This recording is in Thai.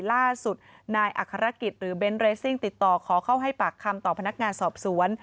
ล่าสุดนายอัครกิจหรือเน้นเรสซิ่งติดต่อขอเข้าให้ปากคำต่อพนักงานสอบสวน